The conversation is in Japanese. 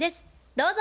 どうぞ。